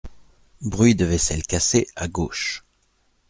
Bruit de vaisselle cassée à gauche.